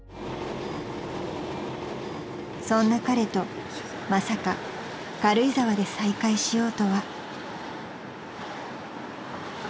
［そんな彼とまさか軽井沢で再会しようとは］